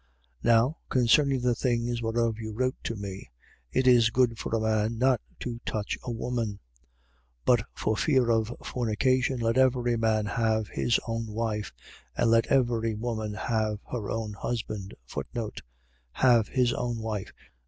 7:1. Now concerning the things whereof you wrote to me: It is good for a man not to touch a woman. 7:2. But for fear of fornication, let every man have his own wife: and let every woman have her own husband. Have his own wife.